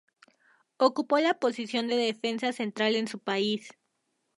Ocupó la posición de defensa central en su país.